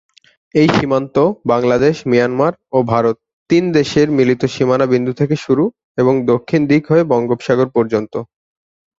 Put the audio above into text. এই সীমান্ত বাংলাদেশ, মিয়ানমার ও ভারত তিন দেশের মিলিত সীমানা বিন্দু থেকে শুরু এবং দক্ষিণ দিক হয়ে বঙ্গোপসাগর পর্যন্ত।